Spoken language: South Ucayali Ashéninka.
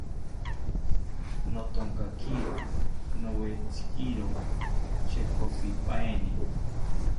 Nothonkakiro nowetziro chekopipaeni